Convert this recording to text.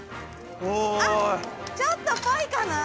あっちょっとぽいかな？